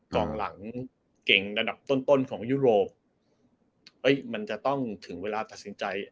กองหลังเก่งระดับต้นต้นของยุโรปเฮ้ยมันจะต้องถึงเวลาตัดสินใจ